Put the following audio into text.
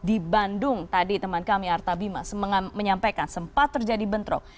di bandung tadi teman kami arta bima menyampaikan sempat terjadi bentrok